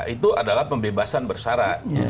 itu adalah pembebasan bersyarat